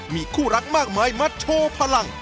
มีคู่รักมากมายมาโชว์พลัง